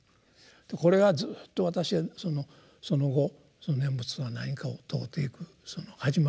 これがずっと私はその後念仏とは何かを問うていくその始まりですね。